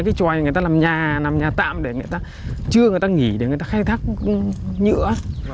cái tròi người ta làm nhà làm nhà tạm để người ta chưa người ta nghỉ để người ta khai thác nhựa